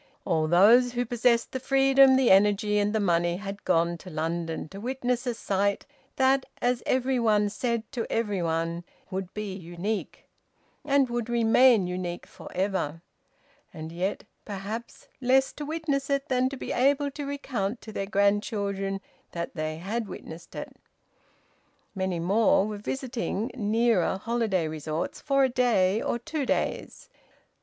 All those who possessed the freedom, the energy, and the money had gone to London to witness a sight that, as every one said to every one, would be unique, and would remain unique for ever and yet perhaps less to witness it than to be able to recount to their grandchildren that they had witnessed it. Many more were visiting nearer holiday resorts for a day or two days.